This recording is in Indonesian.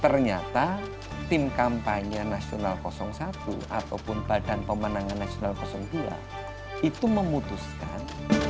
ternyata tim kampanye nasional satu ataupun badan pemenangan nasional dua itu memutuskan